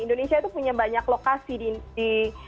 indonesia itu punya banyak lokasi di